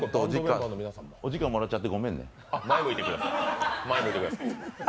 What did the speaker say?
お時間もらっちゃってごめんね。